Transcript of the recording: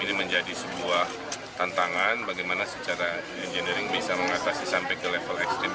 ini menjadi sebuah tantangan bagaimana secara engineering bisa mengatasi sampai ke level ekstrim